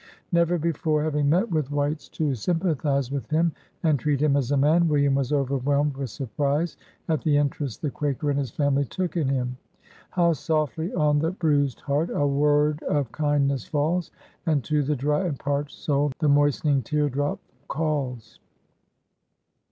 Never before having met with whites to AN AMERICAN BONDMAN. 43 sympathise with him, and treat him as a man, William was overwhelmed with surprise at the interest the Quaker and his family took in him. " How softly on the bruised heart A word of kindness falls, And to the dry and parched soul The moistening teardrop calls."